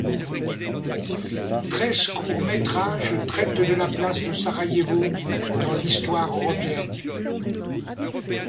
Treize courts métrages traitent de la place de Sarajevo dans l'histoire européenne.